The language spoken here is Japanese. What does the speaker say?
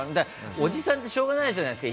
おじさんってしょうがないじゃないですか。